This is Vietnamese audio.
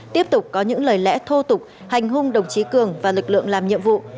tiếp tục có những lời lẽ thô tục hành hung đồng chí cường và lực lượng làm nhiệm vụ